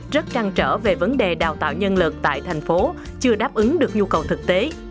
rất trăng trở về vấn đề đào tạo nhân lực tại thành phố chưa đáp ứng được nhu cầu thực tế